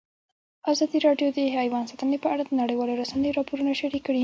ازادي راډیو د حیوان ساتنه په اړه د نړیوالو رسنیو راپورونه شریک کړي.